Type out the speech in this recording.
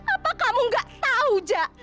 apa kamu gak tahu jak